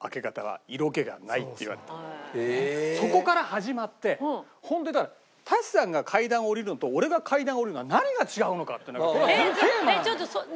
そこから始まってホントにだから舘さんが階段を下りるのと俺が階段を下りるのは何が違うのかっていうのがこれはずっとテーマなんだよ。